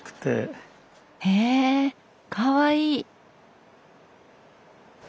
へえかわいい。